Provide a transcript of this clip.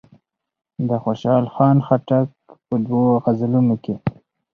د خوشحال خان خټک په دوو غزلونو کې.